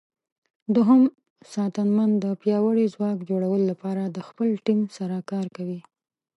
دوهم ساتنمن د پیاوړي ځواک جوړولو لپاره د خپل ټیم سره کار کوي.